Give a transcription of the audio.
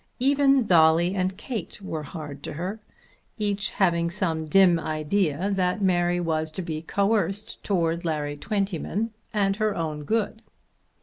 Even Dolly and Kate were hard to her, each having some dim idea that Mary was to be coerced towards Larry Twentyman and her own good.